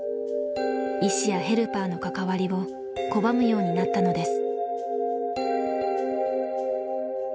医師やヘルパーの関わりを拒むようになったのです。